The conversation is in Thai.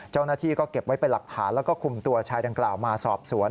เจ้าหน้าที่ก็เก็บไว้เป็นหลักฐานแล้วก็คุมตัวชายดังกล่าวมาสอบสวน